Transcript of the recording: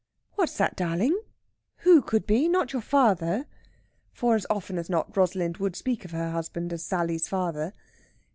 "What's that, darling? Who could be...? Not your father?" For, as often as not, Rosalind would speak of her husband as Sally's father.